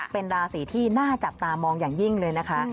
เป็นราศีที่น่าจับตามองอย่างยิ่งเลยนะคะ